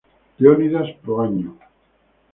Leonidas Proaño.